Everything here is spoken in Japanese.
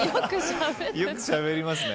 よくしゃべりますね。